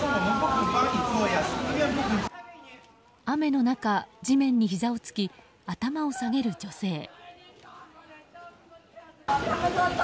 雨の中、地面にひざをつき頭を下げる女性。